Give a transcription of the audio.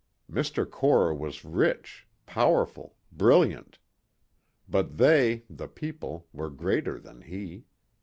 Mr. Core was rich, powerful, brilliant. But they, the people, were greater than he.